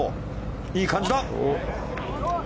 いい感じだ。